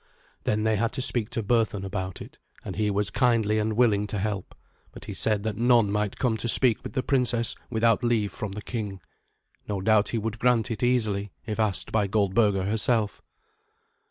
Then they had to speak to Berthun about it, and he was kindly and willing to help; but he said that none might come to speak with the princess without leave from the king. No doubt he would grant it easily, if asked by Goldberga herself.